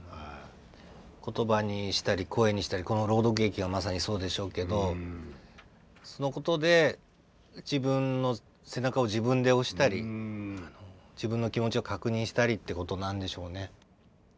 言葉にしたり声にしたりこの朗読劇がまさにそうでしょうけどそのことで自分の背中を自分で押したり自分の気持ちを確認したりってことなんでしょうね。